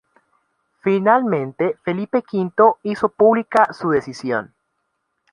Finalmente Felipe V hizo pública su decisión.